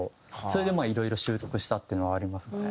それでいろいろ習得したっていうのはありますかね。